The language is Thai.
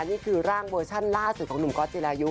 นี่คือร่างเวอร์ชั่นล่าสุดของหนุ่มก๊อตจิรายุ